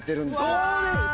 そうですか！